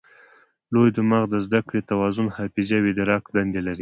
لوی دماغ د زده کړې، توان، حافظې او ادراک دندې لري.